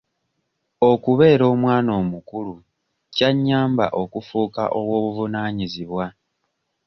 Okubeera omwana omukulu kya nnyamba okufuuka ow'obuvunaanyizibwa.